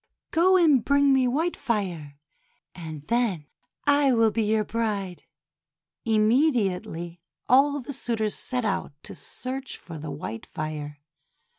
Go and bring me white fire, and then I will be your bride." Immediately, all the suitors set out to search for the white fire.